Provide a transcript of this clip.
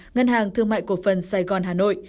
ngân hàng thương mại cổ phần sài gòn hà nội